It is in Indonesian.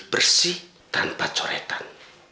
bersih tanpa coretan